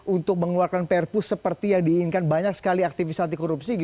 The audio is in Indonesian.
untuk mengeluarkan prpu seperti yang diinginkan banyak sekali aktivis anti korupsi